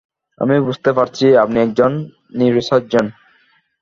আমি বুঝতে পারছি আপনি একজন নিউরোসার্জন।